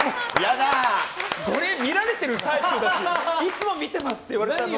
ゴリエ、見られてる最中だしいつも見てますって言われても。